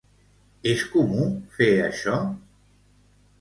És comú fer això?